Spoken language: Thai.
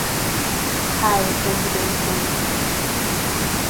ไทยเพรซิเดนท์ฟูดส์